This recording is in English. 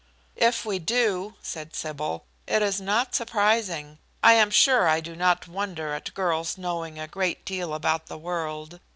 "If we do," said Sybil, "it is not surprising. I am sure I do not wonder at girls knowing a great deal about the world.